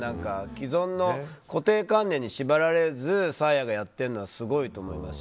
既存の固定観念に縛られずサーヤがやってるのはすごいと思います。